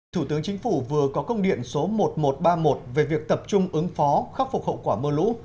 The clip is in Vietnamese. thủ tướng chính phủ vừa có công điện số một nghìn một trăm ba mươi một về việc tập trung ứng phó khắc phục hậu quả mưa lũ